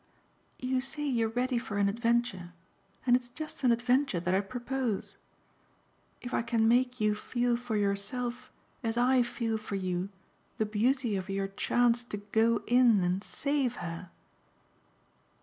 "You say you're ready for an adventure, and it's just an adventure that I propose. If I can make you feel for yourself as I feel for you the beauty of your chance to go in and save her